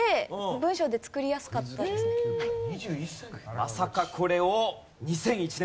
まさかこれを。